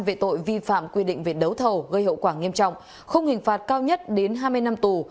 về tội vi phạm quy định về đấu thầu gây hậu quả nghiêm trọng không hình phạt cao nhất đến hai mươi năm tù